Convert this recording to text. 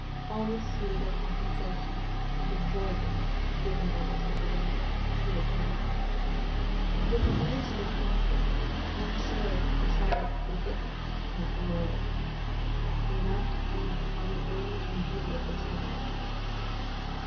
Always suitable compensation and a 'joy gift' is given by the Temple women to the parents. It is an understood custom, and ensures that the child is a gift, not a loan. The amount depends upon the age and beauty of the child.